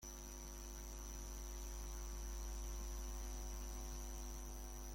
Tiene una forma triangular con dos torres de observación.